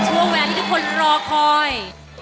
ทั่วแวงที่ทุกคนรอคอย